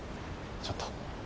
ちょっと。